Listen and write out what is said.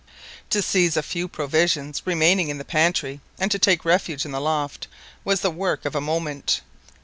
To seize a few provisions remaining in the pantry, and to take refuge in the loft, was the work of a moment.